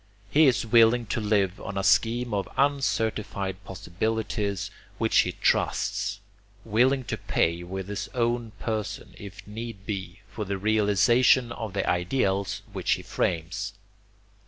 He is willing to live on a scheme of uncertified possibilities which he trusts; willing to pay with his own person, if need be, for the realization of the ideals which he frames.